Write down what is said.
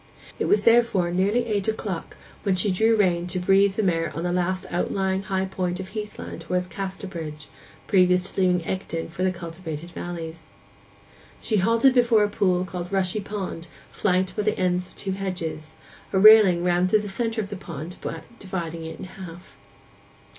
It was therefore nearly eight o'clock when she drew rein to breathe the mare on the last outlying high point of heath land towards Casterbridge, previous to leaving Egdon for the cultivated valleys. She halted before a pool called Rushy pond, flanked by the ends of two hedges; a railing ran through the centre of the pond, dividing it in half.